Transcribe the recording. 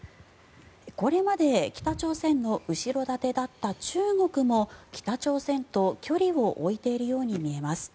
これまで北朝鮮の後ろ盾だった中国も北朝鮮と距離を置いているように見えます。